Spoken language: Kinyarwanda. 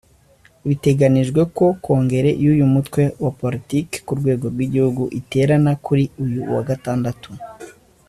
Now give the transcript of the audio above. Biteganyijwe ko Kongere y’uyu mutwe wa politiki ku rwego rw’igihugu iterana kuri uyu wa Gatandatu